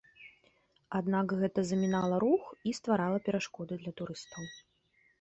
Аднак гэта замінала рух і стварала перашкоды для турыстаў.